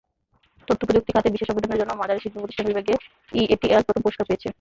তথ্যপ্রযুক্তি খাতে বিশেষ অবদানের জন্য মাঝারি শিল্পপ্রতিষ্ঠান বিভাগে ইএটিএল প্রথম পুরস্কার পেয়েছে।